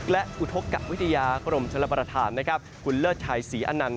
และอุทธกระวิทยากรมฉลบประธานคุณเลอดใจศรีอนั่น